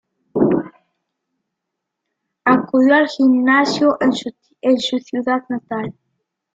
Acudió al gimnasio en su ciudad natal.